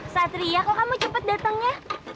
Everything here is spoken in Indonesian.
satria kok kamu cepet datangnya